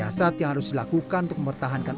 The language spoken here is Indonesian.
jasad yang harus dilakukan untuk mempertahankan